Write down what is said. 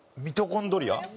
ミトコンドリア。